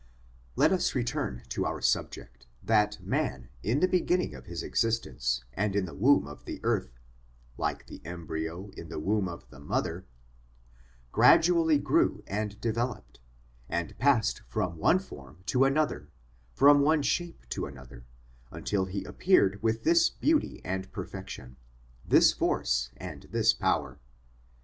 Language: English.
Let us return to our subject that man, in the be ginning of his existence and in the womb of the earth, like the embryo in the womb of the mother, gradually POWERS AND CONDITIONS OF MAN 213 grew and developed, and passed from one form to another, from one shape to another, until he appeared with this beauty and perfection, this force and this power.